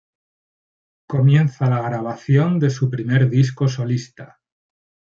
Comienza la grabación de su primer disco solista.